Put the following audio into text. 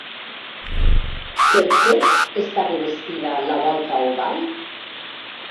Per què està revestida la volta oval?